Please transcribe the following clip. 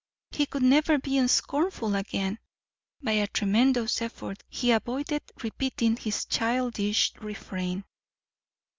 He could never be scornful again. By a tremendous effort he avoided repeating his childish refrain.